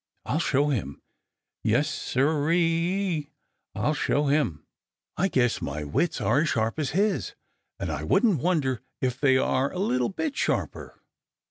I'll show him! Yes, Sir e e, I'll show him! I guess my wits are as sharp as his, and I wouldn't wonder if they are a little bit sharper."